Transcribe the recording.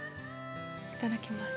いただきます。